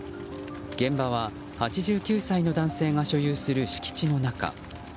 現場は８９歳の男性が所有する敷地の中。